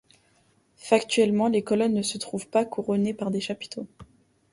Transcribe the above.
Factuellement les colonnes ne se trouvent pas couronnées par des chapiteaux.